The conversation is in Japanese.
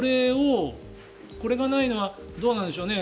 これがないのはどうなんでしょうね。